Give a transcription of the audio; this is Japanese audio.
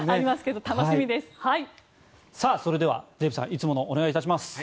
それではデーブさんいつものお願いいたします。